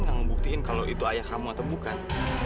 gak ngebuktiin kalau itu ayah kamu atau bukan